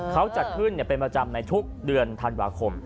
เขาจัดขึ้นเป็นประจำในทุกเดือนธันวาคม